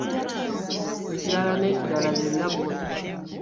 Ekirala n'ekirala, byonna bw'otyo.